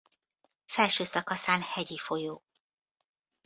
Felső szakaszán hegyi folyó.